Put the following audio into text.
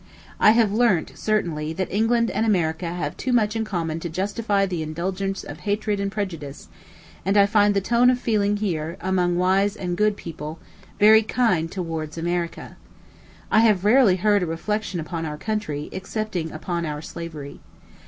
I have learnt, certainly, that England and America have too much in common to justify the indulgence of hatred and prejudice; and I find the tone of feeling here, among wise and good people, very kind towards America. I have rarely heard a reflection upon our country, excepting upon our slavery.